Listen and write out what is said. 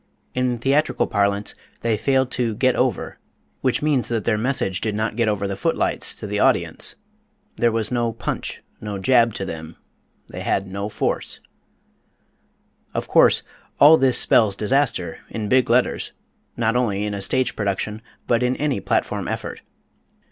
In theatrical parlance, they failed to "get over," which means that their message did not get over the foot lights to the audience. There was no punch, no jab to them they had no force. Of course, all this spells disaster, in big letters, not only in a stage production but in any platform effort.